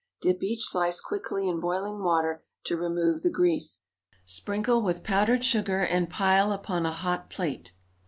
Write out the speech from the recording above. Dip each slice quickly in boiling water to remove the grease. Sprinkle with powdered sugar and pile upon a hot plate.